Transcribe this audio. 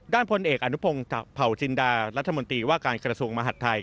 พลเอกอนุพงศ์เผาจินดารัฐมนตรีว่าการกระทรวงมหัฐไทย